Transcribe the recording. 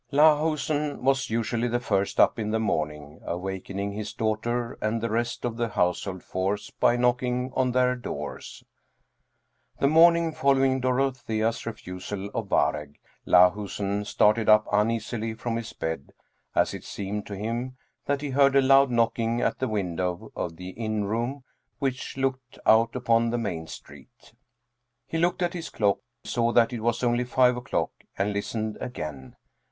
Lahusen was usually the first up in the morning, awaken ing his daughter and the rest of the household force by knocking on their doors. The morning following Dorothea's refusal of Waregg, Lahusen started up uneasily from his bed, as it seemed to him that he heard a loud knocking at the window of the inn room which looked out upon the main street. He looked at his clock, saw that it was only five o'clock and listened again.